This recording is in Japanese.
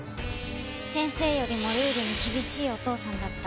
先生よりもルールに厳しいお父さんだった。